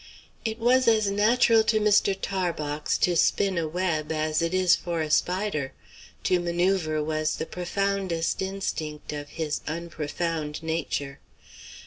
It was as natural to Mr. Tarbox to spin a web as it is for a spider. To manoeuvre was the profoundest instinct of his unprofound nature.